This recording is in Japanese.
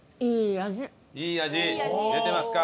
いい味出てますか。